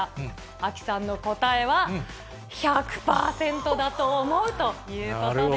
アキさんの答えは、１００％だと思うということです。